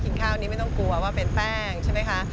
ข้าวนี้ไม่ต้องกลัวว่าเป็นแป้งใช่ไหมคะ